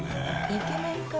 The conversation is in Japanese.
イケメンか。